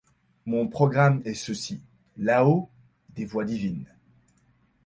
Mon programme est ceci : là-haut des voix divines ;